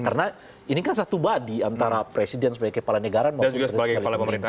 karena ini kan satu badi antara presiden sebagai kepala negara dan sebagai kepala pemerintah